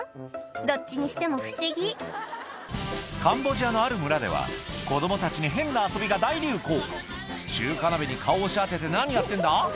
どっちにしても不思議カンボジアのある村では子供たちに変な遊びが大流行中華鍋に顔押し当てて何やってんだ？